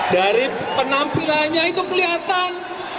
dari penampilannya itu kelihatan